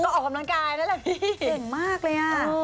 ก็ออกความร่างกายนั่นแหละพี่เก่งมากเลยอ่ะ